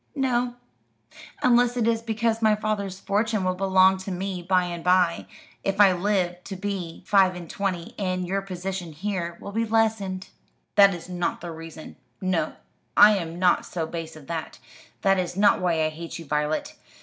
"No; unless it is because my father's fortune will belong to me by and by, if I live to be five and twenty, and your position here will be lessened." "That is not the reason; no, I am not so base as that. That its not why I hate you, Violet.